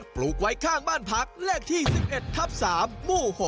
ปลูกไว้ข้างบ้านพักเลขที่๑๑ทับ๓หมู่๖